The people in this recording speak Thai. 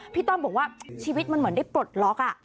ต้อมบอกว่าชีวิตมันเหมือนได้ปลดล็อก